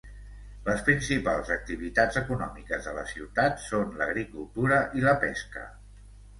Les principals activitats econòmiques de la ciutat són l'agricultura i la pesca.